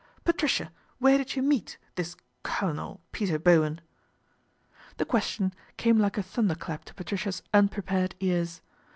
" Patricia, where did you meet this Colonel Peter Bowen ?" The question came like a thunder clap to Patricia's unprepared ears.